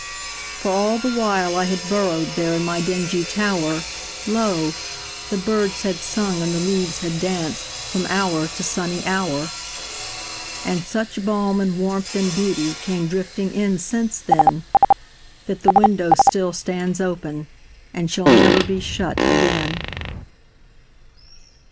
For all the while I had burrowedThere in my dingy tower, Lo! the birds had sung and the leaves had dancedFrom hour to sunny hour. And such balm and warmth and beautyCame drifting in since then, That the window still stands openAnd shall never be shut again.